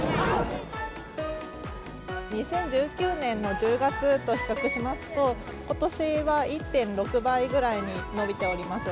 ２０１９年の１０月と比較しますと、ことしは１．６倍ぐらいに伸びております。